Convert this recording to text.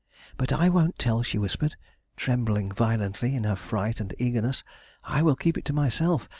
"But I won't tell," she whispered, trembling violently in her fright and eagerness. "I will keep it to myself.